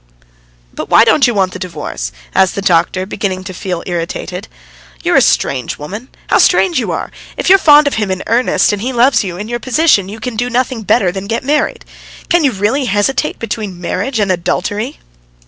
"But why don't you want the divorce?" asked the doctor, beginning to feel irritated. "You are a strange woman. How strange you are! If you are fond of him in earnest and he loves you too, in your position you can do nothing better than get married. Can you really hesitate between marriage and adultery?"